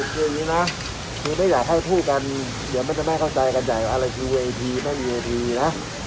คือคือนี้นะคือไม่อยากให้ผู้กันอ่ะ